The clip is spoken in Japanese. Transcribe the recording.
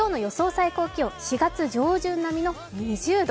最高気温、４月上旬並みの２０度。